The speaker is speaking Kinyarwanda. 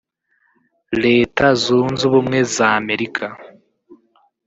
Leta zunze ubumwe z’Amerika